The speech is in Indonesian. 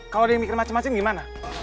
kalau ada yang mikir macem macem gimana